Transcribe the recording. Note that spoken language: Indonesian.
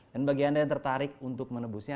dan bagi anda yang tertarik untuk menebusnya